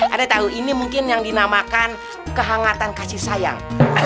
ada tahu ini mungkin yang dinamakan kehangatan kasih sayang